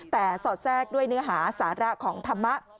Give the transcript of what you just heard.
แต่สอดแทรกด้วยเนื้อหาสาระของธรรมะ